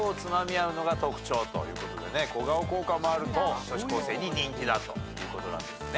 小顔効果もあると女子校生に人気だということなんですね。